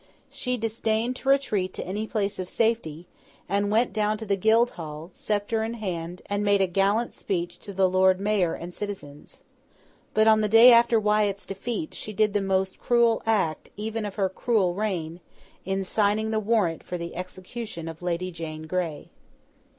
She disdained to retreat to any place of safety, and went down to the Guildhall, sceptre in hand, and made a gallant speech to the Lord Mayor and citizens. But on the day after Wyat's defeat, she did the most cruel act, even of her cruel reign, in signing the warrant for the execution of Lady Jane Grey.